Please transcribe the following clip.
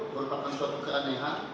merupakan suatu keanehan